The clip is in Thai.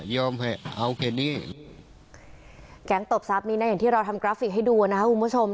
อย่างที่เราทำกราฟิกให้ดูนะครับคุณผู้ชม